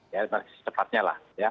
ya secepatnya lah